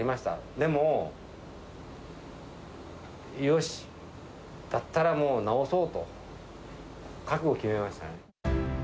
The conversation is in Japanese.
でも、よし、だったらもう治そうと、覚悟決めましたね。